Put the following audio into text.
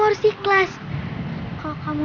orang yang tadi siang dimakamin